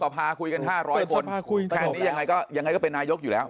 เปิดสภาคุยกัน๕๐๐คนแต่นี่ยังไงก็เป็นนายยกอยู่แล้ว